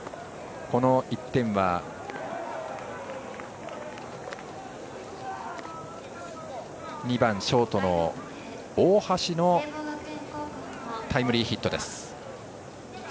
この１点は２番ショートの大橋のタイムリーヒットです。